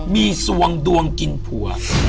มีสวงดวงกินผัว